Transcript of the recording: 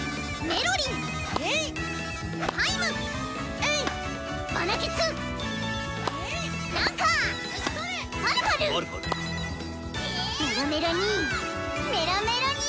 メロメロに！